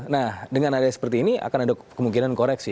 nah dengan adanya seperti ini akan ada kemungkinan koreksi